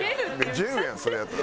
「ジェル」やんそれやったら。